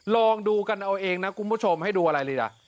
ลองดูกันเอาเองนะคุณผู้ชมให้ดูอะไรดีล่ะ